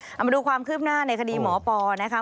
เอามาดูความคืบหน้าในคดีหมอปอนะคะ